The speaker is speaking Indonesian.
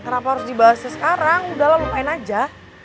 kenapa harus dibahasnya sekarang udah lah lupain aja